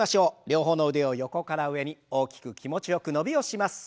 両方の腕を横から上に大きく気持ちよく伸びをします。